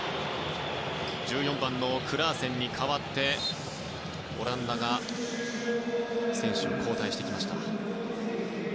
１４番のクラーセンに代わってオランダが選手を交代しました。